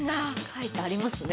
書いてありますね。